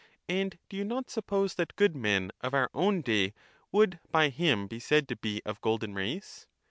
And do you not suppose that good men of our own day would by him be said to be of golden race?